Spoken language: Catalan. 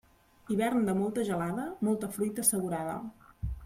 Hivern de molta gelada, molta fruita assegurada.